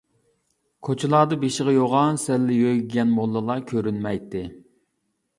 كوچىلاردا بېشىغا يوغان سەللە يۆگىگەن موللىلار كۆرۈنمەيتتى.